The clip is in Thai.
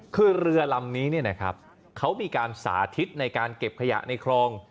คือเรือลำนี้เนี่ยนะครับเขามีการสาธิตในการเก็บขยะในครอง